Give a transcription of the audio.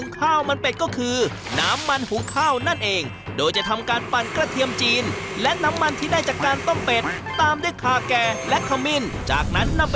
ข้าวมันก็คือเดี๋ยวเข้าครัวใช่ไหมพ่อ